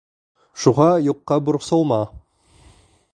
Шуға юҡҡа борсолма.